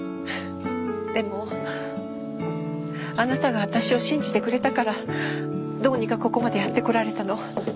でもあなたが私を信じてくれたからどうにかここまでやってこられたの。